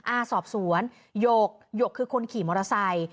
อาสอบสวนหยกหยกคือคนขี่มอเตอร์ไซค์